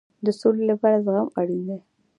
د سولې لپاره زغم اړین دی